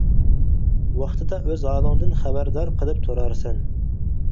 ۋاقتىدا ئۆز ھالىڭدىن خەۋەردار قىلىپ تۇرارسەن.